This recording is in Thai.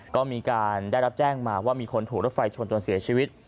ก็มีการได้รับแจ้งมาว่ามีคนถูกรถไฟชนจนเสียชีวิต